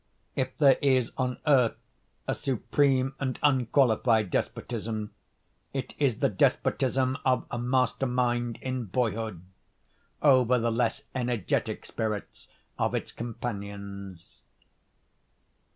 If there is on earth a supreme and unqualified despotism, it is the despotism of a master mind in boyhood over the less energetic spirits of its companions.